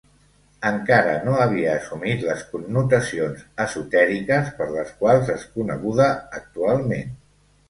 Encara no havia assumit les connotacions esotèriques per les quals és coneguda actualment.